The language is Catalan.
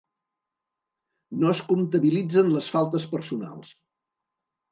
No es comptabilitzen les faltes personals.